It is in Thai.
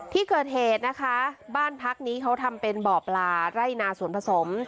ที่เกิดเหตุนะคะบ้านพักนี้เขาทำเป็นบ่อปลาไร่นาสวนผสม